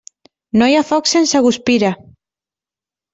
No hi ha foc sense guspira.